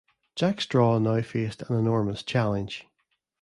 Jack Straw now faced an enormous challenge.